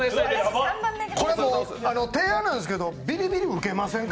もうこれ提案なんだけど、ビリビリ受けませんか？